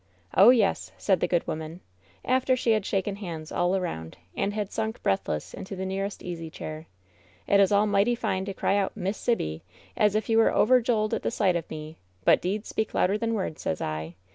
"Oh, yes !" said the good woman, after she had shaken hands all around, and had sunk breathless into the neai^ 180 WHEN SHADOWS DIE est easjH^hair. "It is all mighty fine to cry out *Miss Sibby/ as if you were overjoled at the sight of me ; but deeds speak louder than words, sez I.